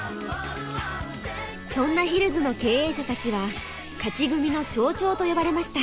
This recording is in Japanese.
そんなヒルズの経営者たちは勝ち組の象徴と呼ばれました。